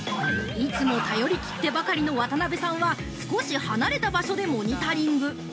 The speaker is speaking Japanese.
◆いつも頼り切ってばかりの渡辺さんは少し離れた場所でモニタリング。